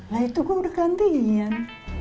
lah itu kok udah gantiin